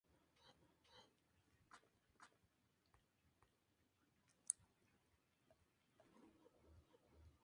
El municipio se encuentra ubicado en la región hidrológica Yucatán Norte.